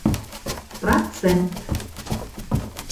Процент